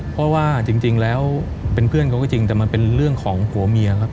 เพราะว่าจริงแล้วเป็นเพื่อนเขาก็จริงแต่มันเป็นเรื่องของผัวเมียครับ